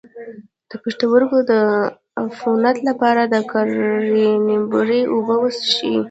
د پښتورګو د عفونت لپاره د کرینبیري اوبه وڅښئ